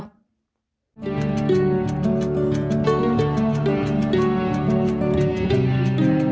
hẹn gặp lại